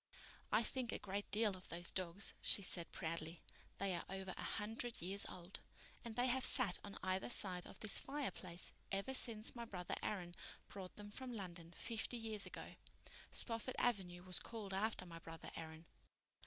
"I think a great deal of those dogs," she said proudly. "They are over a hundred years old, and they have sat on either side of this fireplace ever since my brother Aaron brought them from London fifty years ago. Spofford Avenue was called after my brother Aaron."